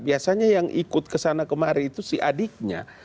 biasanya yang ikut kesana kemari itu si adiknya